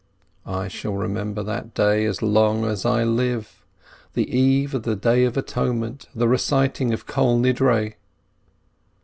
I shall remember that day as long as I live. The Eve of the Day of Atonement — the reciting of Kol Nidre!